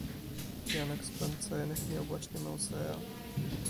Janek z Pancernych miał właśnie Mausera.